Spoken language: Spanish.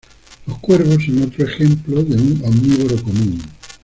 Los cuervos son otro ejemplo de un omnívoro común.